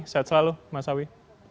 sehat selalu mas awi